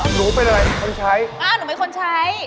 หนูเป็นอะไรคนใช้อ่าหนูเป็นคนใช้